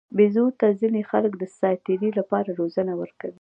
بیزو ته ځینې خلک د ساتیرۍ لپاره روزنه ورکوي.